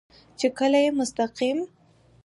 چې کله يې مستقيم